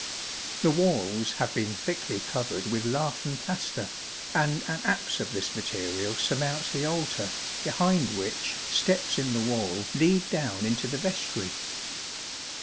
The walls have been thickly covered with lath and plaster, and an apse of this material surmounts the altar behind which, steps in the wall lead down into the vestry.